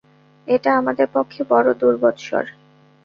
এটা আমাদের পক্ষে বড় দুর্বৎসর।